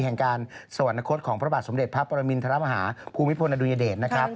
แห่งการสวรรคตของพระบาทสมเด็จพระปรมินทรมาฮาภูมิพลอดุญเดชนะครับ